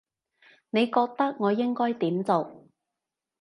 你覺得我應該點做